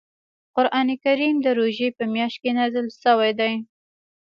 قران کریم د روژې په میاشت کې نازل شوی دی .